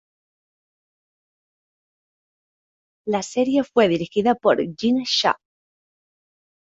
La serie fue dirigida por Jin Sha.